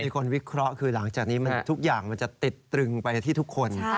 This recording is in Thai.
คนวิเคราะห์คือหลังจากนี้ทุกอย่างมันจะติดตรึงไปที่ทุกคน